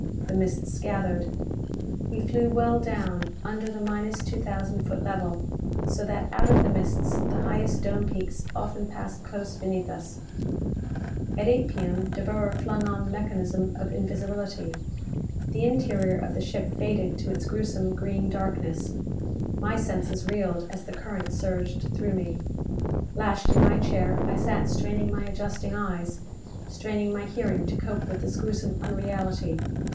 The mists gathered. We flew well down under the minus two thousand foot level so that out of the mists the highest dome peaks often passed close beneath us. At 8 P.M. De Boer flung on the mechanism of invisibility. The interior of the ship faded to its gruesome green darkness. My senses reeled as the current surged through me. Lashed in my chair, I sat straining my adjusting eyes, straining my hearing to cope with this gruesome unreality.